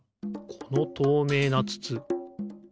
このとうめいなつつ。